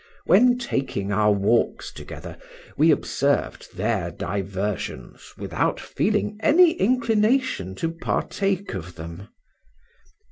When taking our walks together, we observed their diversions without feeling any inclination to partake of them.